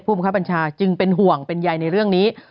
บังคับบัญชาจึงเป็นห่วงเป็นใยในเรื่องนี้